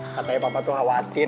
katanya papa tuh khawatir